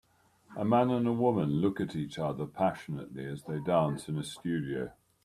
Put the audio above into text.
A man and a woman look at each other passionately as they dance in a studio.